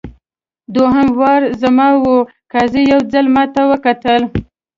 دوهم وار زما وو قاضي یو ځل ماته وکتل.